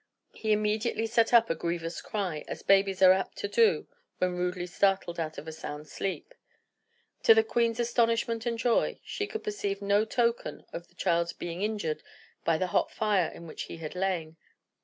He immediately set up a grievous cry, as babies are apt to do when rudely startled out of a sound sleep. To the queen's astonishment and joy, she could perceive no token of the child's being injured by the hot fire in which he had lain.